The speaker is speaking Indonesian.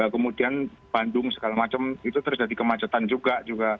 kemudian bandung segala macam itu terjadi kemacetan juga